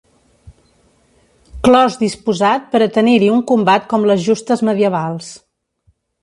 Clos disposat per a tenir-hi un combat com les justes medievals.